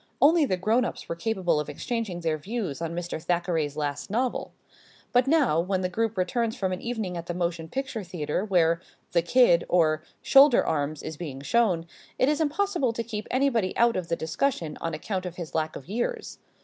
Only the grown ups were capable of exchanging their views on Mr. Thackeray's latest novel. But now, when the group returns from an evening at the motion picture theater where "The Kid" or "Shoulder Arms" is being shown, it is impossible to keep anybody out of the discussion on account of his lack of years.